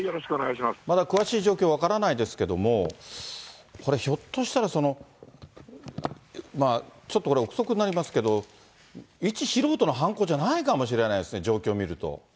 まだ詳しい状況、分からないですけども、これ、ひょっとしたらちょっとこれ、臆測になりますけど、一素人の犯行じゃないかもしれないですね、状況見ると。